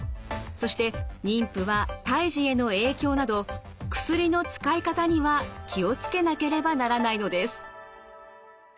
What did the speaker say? そして妊婦は胎児への影響など薬の使い方には気を付けなければならないのです。